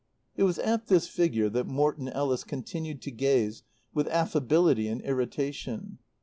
It was at this figure that Morton Ellis continued to gaze with affability and irritation.